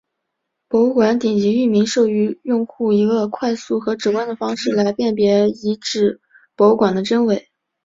博物馆顶级域名授予用户一个快速和直观的方式来辨别遗址博物馆的真伪。